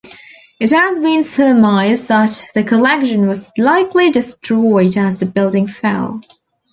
It has been surmised that the collection was likely destroyed as the building fell.